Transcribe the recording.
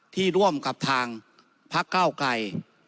ที่ร่วมกับทางภักดิ์เก้าไก่